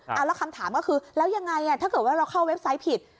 แล้วคำถามก็คือแล้วยังไงถ้าเกิดว่าเราเข้าเว็บไซต์ผิด